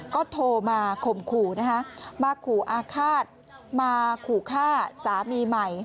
ก็โทรมาข่มขู่นะคะมาขู่อาฆาตมาขู่ฆ่าสามีใหม่